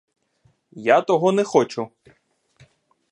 Я того не хочу!